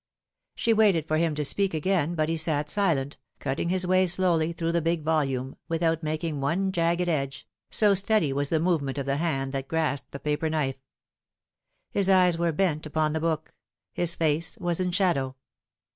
She waited for him to speak again, but he sat silent, cutting his way slowly through the big volume, without making one jagged edge, so steady was the movement of the hand that grasped the paper knife. His eyes were bent upon the book ; his face was in shadow.